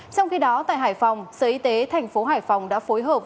trong khi đó tại hải phòng sở y tế thành phố hải phòng đã phối hợp